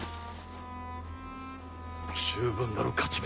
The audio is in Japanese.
十分なる勝ち目